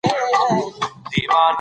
لوستې نجونې د ټولنې ستونزې په ګډه څېړي.